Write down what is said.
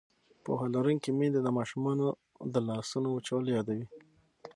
پوهه لرونکې میندې د ماشومانو د لاسونو وچول یادوي.